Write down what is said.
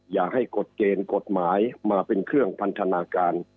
อย่าให้กฎเกณฑ์กฎหมายมาเป็นเครื่องพันธนาการ